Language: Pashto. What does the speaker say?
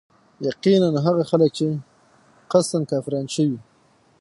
يقيناً هغه خلک چي قصدا كافران شوي